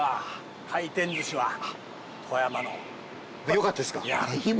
良かったですか。